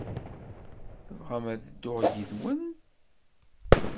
Tebɣam ad dduɣ yid-wen?